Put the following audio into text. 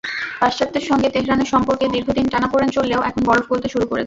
পাশ্চাত্যের সঙ্গে তেহরানের সম্পর্কে দীর্ঘদিন টানাপোড়েন চললেও এখন বরফ গলতে শুরু করেছে।